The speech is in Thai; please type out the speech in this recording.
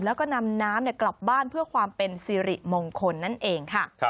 แล้วก็นำน้ำกลับบ้านเพื่อความเป็นสิริมงคลนั่นเองค่ะ